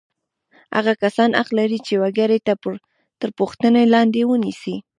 هغه کسان حق لري چې وګړي تر پوښتنې لاندې ونیسي.